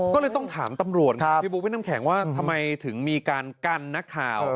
ก็เลยต้องถามตำรวจครับพี่บุ๊คว่าทำไมถึงมีการกั้นนัก